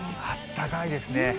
あったかいですね。